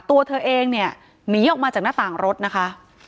ตัวเธอเองเนี่ยหนีออกมาจากหน้าต่างรถนะคะ